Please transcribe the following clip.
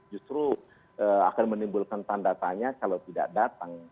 justru akan menimbulkan tanda tanya kalau tidak datang